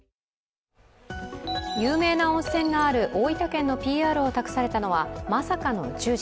有名な温泉がある大分県のＰＲを任されたのはまさかの宇宙人。